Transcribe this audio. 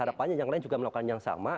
harapannya yang lain juga melakukan yang sama